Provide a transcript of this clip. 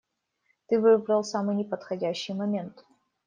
Ты выбрал самый неподходящий момент.